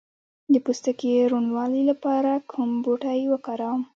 د پوستکي روڼوالي لپاره کوم بوټی وکاروم؟